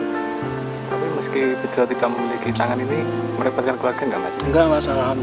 tapi meski bejo tidak memiliki tangan ini merebutkan keluarga tidak